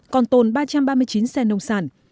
còn tồn ba trăm ba mươi chín xe nông sản